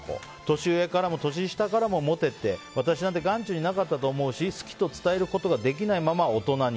年上からも年下からもモテて私なんか眼中になかったと思うし好きと伝えることができないまま大人に。